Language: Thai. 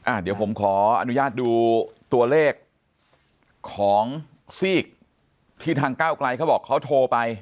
เดี๋ยวผมขออนุญาตดูตัวเลขของซีกที่ทางก้าวไกลเขาบอกเขาโทรไป